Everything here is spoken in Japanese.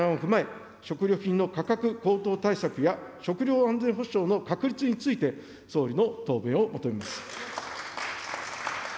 以上の提案を踏まえ、食料品の価格高騰対策や、食料安全保障の確立について、総理の答弁を求めます。